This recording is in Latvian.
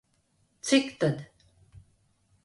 Cik tad